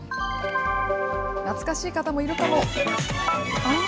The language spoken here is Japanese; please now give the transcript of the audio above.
懐かしい方もいるかも？